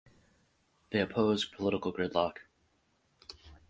They oppose political gridlock.